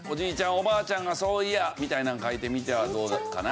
おばあちゃんが「そういや」みたいなの書いてみてはどうかな。